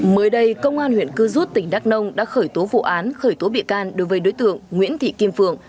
mới đây công an huyện cư rút tỉnh đắk nông đã khởi tố vụ án khởi tố bị can đối với đối tượng nguyễn thị kim phượng